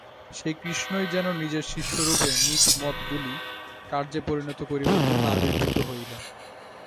সেই কৃষ্ণই যেন নিজের শিষ্যরূপে নিজ মতগুলি কার্যে পরিণত করিবার জন্য আবির্ভূত হইলেন।